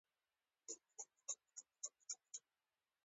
مېز د خوب خونه کې ساعت ایښودو ته ښه وي.